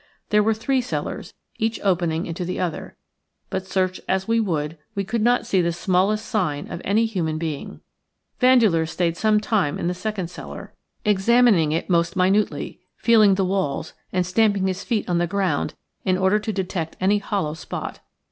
There were three cellars, each opening into the other, but search as we would we could not see the smallest sign of any human being. Vandeleur stayed some time in the second cellar, examining it most minutely, feeling the walls, and stamping his feet on the ground in order to detect any hollow spot.